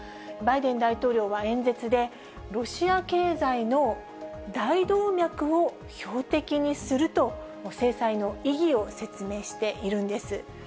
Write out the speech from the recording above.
バイデン大統領は演説で、ロシア経済の大動脈を標的にすると、制裁の意義を説明しているんです。